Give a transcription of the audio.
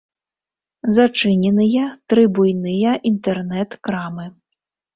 Зачыненыя тры буйныя інтэрнэт-крамы.